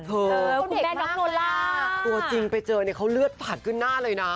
ตัวจริงไปเจอเนี่ยเขาเลือดผัดขึ้นหน้าเลยนะ